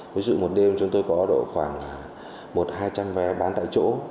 ví dụ một đêm chúng tôi có độ khoảng một hai trăm linh vé bán tại chỗ